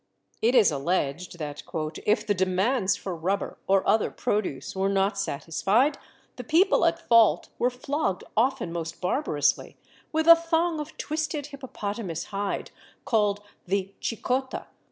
It is alleged that "if the demands for rubber or other produce were not satisfied, the people at fault were flogged often most barbarously with a thong of twisted hippopotamus hide, called the chicotta.